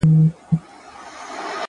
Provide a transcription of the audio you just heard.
ځكه ځوانان ورانوي ځكه يې زړگي ورانوي-